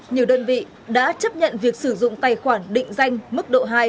nhiều đơn vị đã chấp nhận việc sử dụng tài khoản định danh mức độ hai